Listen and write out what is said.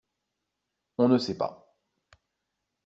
On ne sait pas.